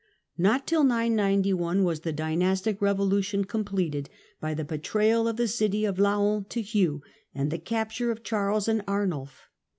Not till 991 was the dynastic Bfevolution completed by the betrayal of the city of i^K<aon to Hugh, and the capture of Charles and Arnulf.